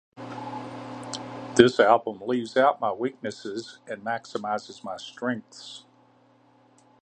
This album leaves out my weaknesses and maximizes my strengths.